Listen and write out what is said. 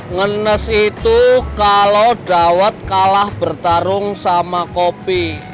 ngenes itu kalo dawet kalah bertarung sama kopi